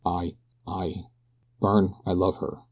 I I Byrne, I love her.